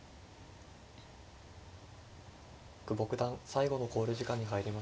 久保九段最後の考慮時間に入りました。